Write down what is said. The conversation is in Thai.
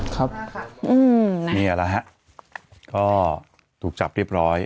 ครับไปได้ค่ะอืมนี่แหละฮะก็ตุกจับเรียบร้อย